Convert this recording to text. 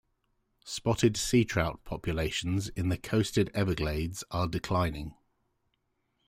Spotted seatrout populations in the coasted Everglades are declining.